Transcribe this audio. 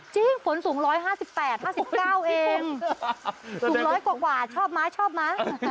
จริงฝนสูง๑๕๘๑๕๙เส้นเองสูง๑๐๐กว่าชอบมั้ยมั้ย